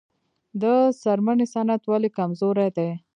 د څرمنې صنعت ولې کمزوری دی؟